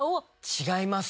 違います。